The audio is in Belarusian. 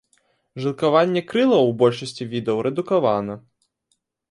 Жылкаванне крылаў у большасці відаў рэдукавана.